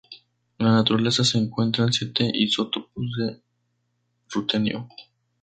En la naturaleza se encuentran siete isótopos de rutenio.